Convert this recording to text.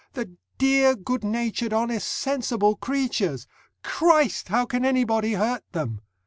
The dear, good natured, honest, sensible creatures! Christ! how can anybody hurt them?